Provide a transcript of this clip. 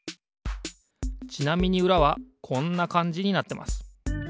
ちなみにうらはこんなかんじになってます。